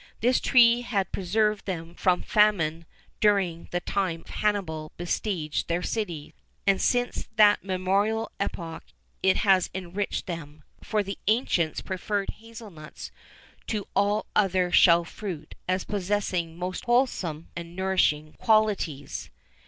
This tree had preserved them from famine during the time Hannibal besieged their city,[XIV 29] and since that memorable epoch it had enriched them, for the ancients preferred hazel nuts to all other shell fruit, as possessing most wholesome and nourishing qualities.